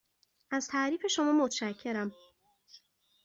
از تعریف شما متشکرم.